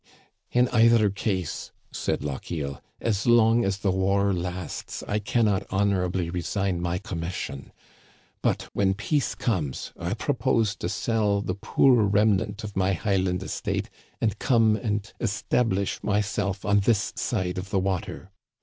" In either case," said Lochiel, " as long as the war lasts I can not honorably resign my commission. But when peace comes, I propose to sell the poor remnant of my Highland estate and come and establish myself on this side of the water.